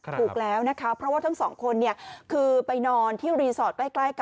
ถูกแล้วนะคะเพราะว่าทั้งสองคนคือไปนอนที่รีสอร์ทใกล้กัน